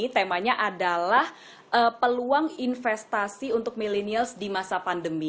temanya adalah peluang investasi untuk millennials di masa pandemi